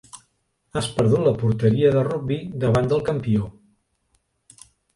Has perdut la porteria de rugbi davant del campió.